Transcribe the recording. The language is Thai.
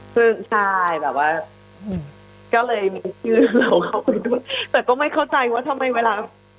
ซึ่งใช่แบบว่าก็เลยมีชื่อเราเข้าไปดูแต่ก็ไม่เข้าใจว่าทำไมเวลา